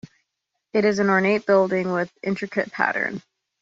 It is an ornate building with intricate pattern.